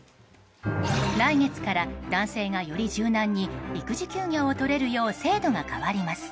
来月から男性が、より柔軟に育児休業を取れるよう制度が変わります。